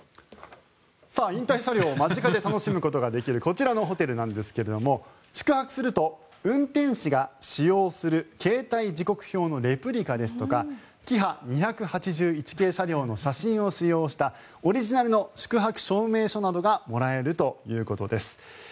引退車両を間近で楽しむことができるこちらのホテルなんですが宿泊すると運転士が使用する携帯時刻表のレプリカですとかキハ２８１系車両の写真を使用したオリジナルの宿泊証明書などがもらえるということです。